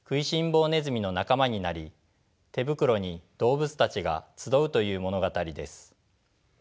ぼねずみの仲間になり手袋に動物たちが集うという物語です。